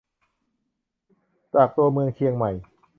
จากตัวเมืองเชียงใหม่